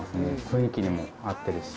雰囲気にも合ってるし。